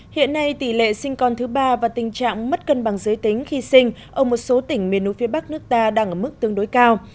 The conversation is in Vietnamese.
hiện nay tỷ lệ sinh con thứ ba và tình trạng mất cân bằng giới tính khi sinh ở một số tỉnh miền núi phía bắc nước ta đang ở mức tương đối cao